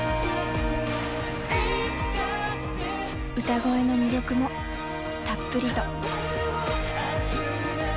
歌声の魅力もたっぷりと。